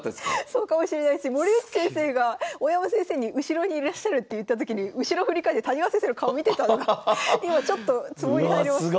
そうかもしれないし森内先生が大山先生に後ろにいらっしゃるって言った時に後ろ振り返って谷川先生の顔見てたのが今ちょっとツボに入りました。